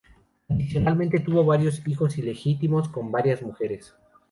Adicionalmente tuvo varios hijos ilegítimos con varias mujeres.